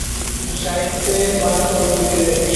সাহিত্যে বা চলচ্চিত্রের একটি শাখা।